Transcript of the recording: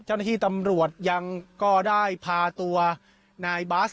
เจ้าหน้าที่ตำรวจยังก็ได้พาตัวนายบัส